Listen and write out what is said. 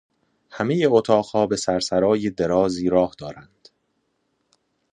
همهی اتاقها به سر سرای درازی راه دارند.